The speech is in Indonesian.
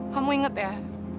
kamu inget ya